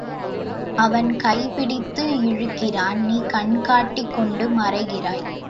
அவன் கைப்பிடித்து இழுக்கிறான் நீ கண் கட்டிக் கொண்டு மறைகிறாய்.